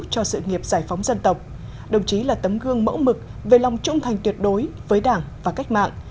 cho sự nghiệp giải phóng dân tộc đồng chí là tấm gương mẫu mực về lòng trung thành tuyệt đối với đảng và cách mạng